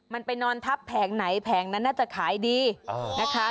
มันไปนอนทับแผงไหนแผงนั้นน่าจะขายดีนะคะ